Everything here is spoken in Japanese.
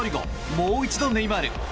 もう１度ネイマール。